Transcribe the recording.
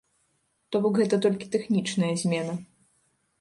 То бок гэта толькі тэхнічная змена.